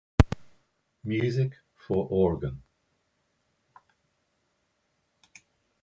Music for Organ.